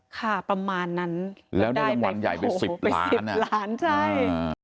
ค่ะประมาณนั้นแล้วได้รางวัลใหญ่ไป๑๐ล้านโหไป๑๐ล้านใช่